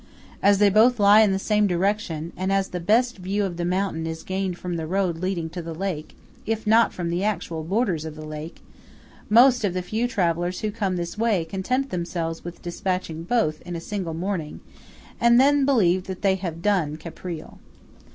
As they both lie in the same direction, and as the best view of the mountain is gained from the road leading to the lake, if not from the actual borders of the lake, most of the few travellers who come this way content themselves with despatching both in a single morning, and then believe that they have "done" Caprile.